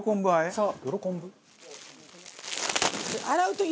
そう。